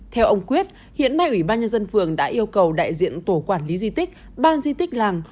theo ông quyết hiện nay ủy ban nhân dân phường đã yêu cầu đại diện tổ quản lý di tích ban di tích làng